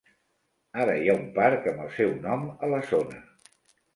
Ara hi ha un parc amb el seu nom a la zona.